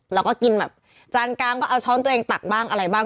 แล้วก็กินแบบจานกลางบ้างเอาช้อนตัวเองตักบ้างอะไรบ้าง